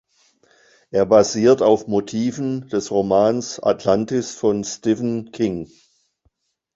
Er basiert auf Motiven des Romans Atlantis von Stephen King.